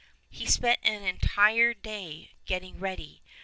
He spent an entire day getting ready.